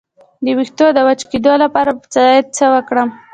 د ویښتو د وچ کیدو لپاره باید څه وکاروم؟